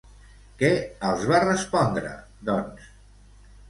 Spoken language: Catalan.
Què els va respondre, doncs?